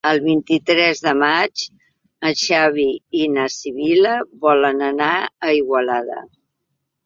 El vint-i-tres de maig en Xavi i na Sibil·la volen anar a Igualada.